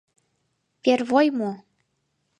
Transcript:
Первой мо?